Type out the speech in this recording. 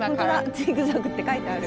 ジグザグって書いてある。